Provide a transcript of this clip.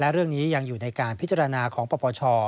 และเรื่องนี้ยังอยู่ในการพิจารณาของปปช